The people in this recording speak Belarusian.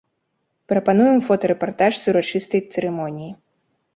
Прапануем фотарэпартаж з урачыстай цырымоніі.